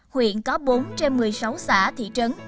huyện có bốn trên một mươi sáu xã thị trấn